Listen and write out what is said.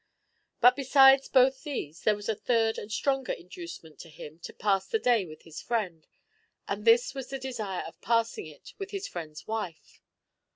But, besides both these, there was a third and stronger inducement to him to pass the day with his friend, and this was the desire of passing it with his friend's wife.